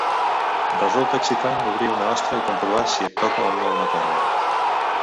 Resulta excitant obrir una ostra i comprovar si et toca o no una perla.